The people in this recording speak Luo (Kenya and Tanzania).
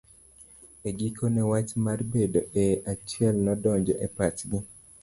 E gikone wach mar bedo e achiel nodonjo e pachgi.